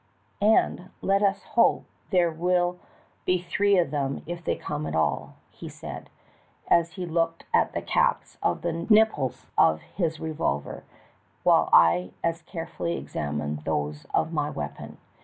"And let us hope there will be three of them if they come at all," he said, as he looked at the caps on the nipples of his revolver, while I as carefully examined those of my weapon.